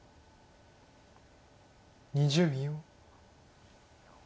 ２０秒。